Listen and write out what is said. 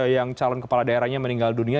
yang calon kepala daerahnya meninggal dunia